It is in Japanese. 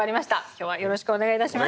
今日はよろしくお願いいたします。